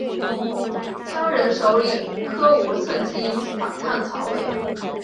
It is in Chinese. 羌人首领柯吾趁机反抗曹魏。